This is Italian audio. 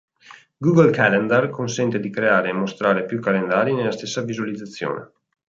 Google Calendar consente di creare e mostrare più calendari nella stessa visualizzazione.